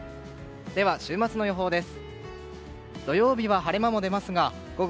では、週末の予報です。